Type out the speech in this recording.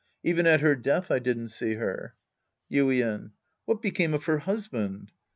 Even at her death, I didn't see her. Yuien. What became of her husband ?